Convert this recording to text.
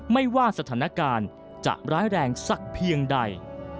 ไม่ว่าสถานการณ์จะร้ายแรงสักเพียงใด